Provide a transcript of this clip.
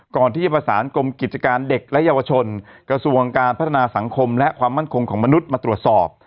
ก่อนที่จะประสานกรมกิจการเด็กและเยาวชนกระทรวงการพัฒนาสังคมและความมั่นคงของมนุษย์มาตรวจสอบ